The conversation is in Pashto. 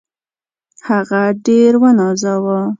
هغه ډېر ونازاوه.